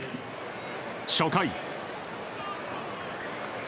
初回。